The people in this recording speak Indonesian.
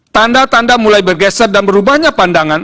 tanda tanda mulai bergeser dan berubahnya pandangan